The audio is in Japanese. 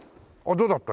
どうだった？